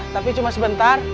tapi cuma sebentar